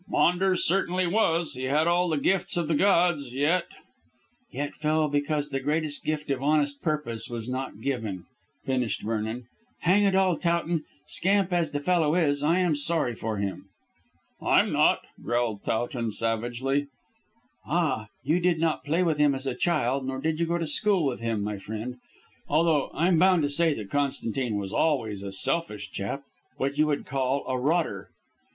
"Maunders certainly was. He had all the gifts of the gods, yet " "Yet fell because the greatest gift of honest purpose was not given," finished Vernon. "Hang it all, Towton, scamp as the fellow is, I am sorry for him." "I'm not," growled Towton savagely. "Ah, you did not play with him as a child, nor did you go to school with him, my friend. Although I'm bound to say that Constantine was always a selfish chap what you would call a rotter."